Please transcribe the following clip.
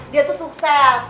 dia tuh sukses